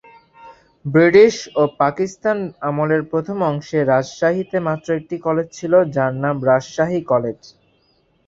British ও পাকিস্তান আমলের প্রথম অংশে রাজশাহীতে মাত্র একটি কলেজ ছিলো যার নাম রাজশাহী কলেজ।